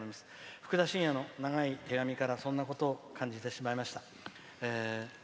ふくだしんやの長い手紙からそんなことを感じてしまいました。